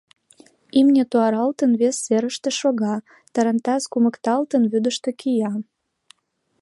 Имне туаралтын, вес серыште шога, тарантас кумыкталтын, вӱдыштӧ кия.